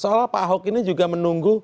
soalnya pak ahok ini juga menunggu